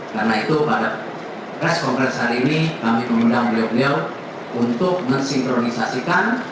karena itu pada press congress hari ini kami mengundang beliau beliau untuk mensinkronisasikan